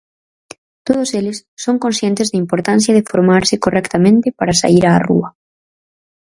Todos eles son conscientes da importancia de formarse correctamente para saír a rúa.